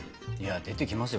出てきますよ。